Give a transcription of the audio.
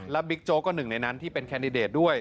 บิ๊กโจ๊กก็หนึ่งในนั้นที่เป็นแคนดิเดตด้วย